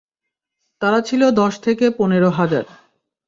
তারা ছিল দশ থেকে পনের হাজার।